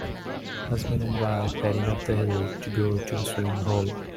husband and wife heading up the hill to go to the swimming hole.